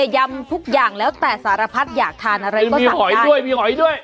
ยำทุกอย่างแล้วแต่สารพัดอยากทานอะไรก็มีหอยด้วยมีหอยด้วย